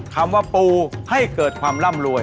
คำว่าปูให้เกิดความร่ำรวย